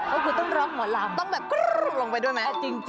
ก็คือต้องร้องหัวลำ